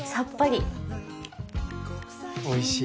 おいしい！